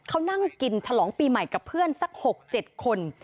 เขานั่งกินฉลองปีใหม่กับเพื่อนสัก๖๗คน